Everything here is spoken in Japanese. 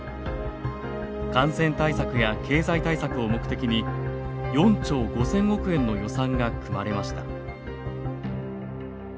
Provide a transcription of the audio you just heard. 感染対策や経済対策を目的に４兆５，０００億円の予算が組まれました。